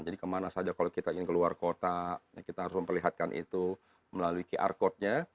jadi kemana saja kalau kita ingin keluar kota kita harus memperlihatkan itu melalui qr code nya